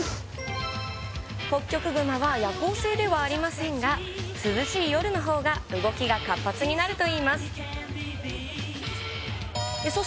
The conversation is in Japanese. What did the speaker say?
ホッキョクグマは夜行性ではありませんが、涼しい夜のほうが動きが活発になるといいます。